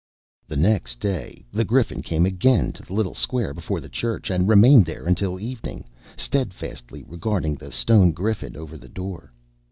The next day the Griffin came again to the little square before the church, and remained there until evening, steadfastly regarding the stone griffin over the door.